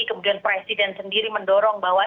kemudian presiden sendiri mendorong bahwa